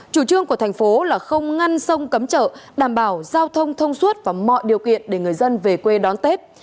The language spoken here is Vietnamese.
chủ trương của thành phố là không ngăn sông cấm chợ đảm bảo giao thông thông suốt và mọi điều kiện để người dân về quê đón tết